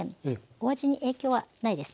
お味に影響はないです。